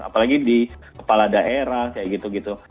apalagi di kepala daerah kayak gitu gitu